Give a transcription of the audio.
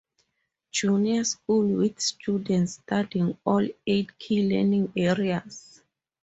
Junior School, with students studying all eight key learning areas.